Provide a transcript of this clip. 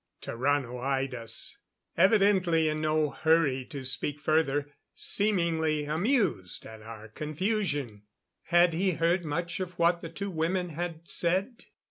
Tarrano eyed us, evidently in no hurry to speak further, seemingly amused at our confusion. Had he heard much of what the two women had said?